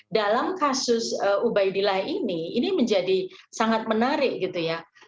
dalam kasus ubaidillah ini ini menjadi sangat menarik gitu ya